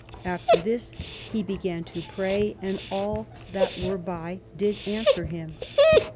After this he began to pray, and all that were by did answer him.